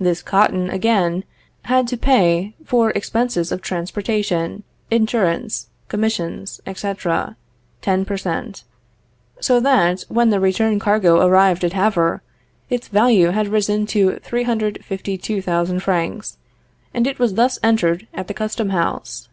This cotton, again, had to pay for expenses of transportation, insurance, commissions, etc., ten per cent.: so that when the return cargo arrived at Havre, its value had risen to 352,000 francs, and it was thus entered at the custom house.